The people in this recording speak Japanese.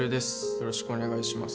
よろしくお願いします